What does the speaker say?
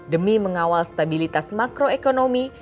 demi mengawal stabilitas makroekonomi